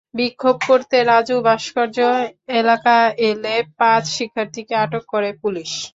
বিক্ষোভ করতে রাজু ভাস্কর্য এলাকা এলে পাঁচ শিক্ষার্থীকে আটক করে পুলিশ।